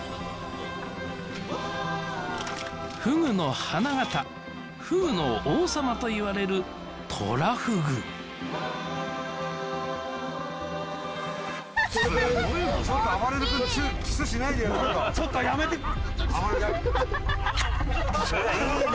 フグの花形フグの王様といわれるトラフグちょっとやめていいね